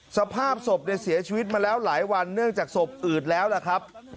สภาพศพเสียชีวิตมาแล้วหลายวันเนื่องจากศพอืดแล้วล่ะครับ